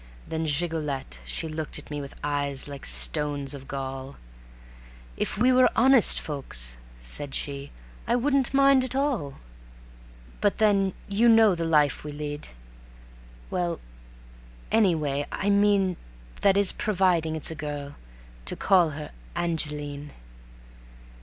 Then Gigolette, she looked at me with eyes like stones of gall: "If we were honest folks," said she, "I wouldn't mind at all. But then ... you know the life we lead; well, anyway I mean (That is, providing it's a girl) to call her Angeline."